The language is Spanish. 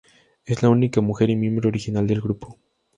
Es la única mujer y miembro original del grupo.